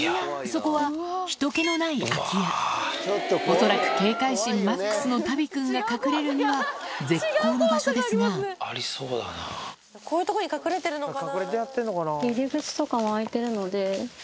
そこは人けのない恐らく警戒心マックスのタビ君が隠れるには絶好の場所ですがこういうとこに隠れてるのかな？